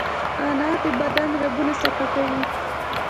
انار د بدن رګونه صفا کوي.